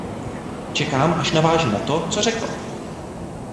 Čekám, až naváže na to, co řekl.